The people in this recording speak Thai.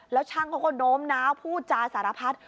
แล้วช่างเขาก็โน้มน้าวพูดจาสารพัด